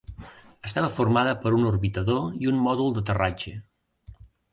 Estava formada per un orbitador i un mòdul d'aterratge.